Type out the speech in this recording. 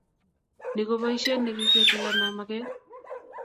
Ni ko boisiet ne kiketilena maget